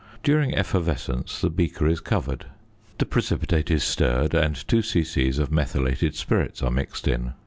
During effervescence the beaker is covered, the precipitate is stirred, and 2 c.c. of methylated spirit are mixed in.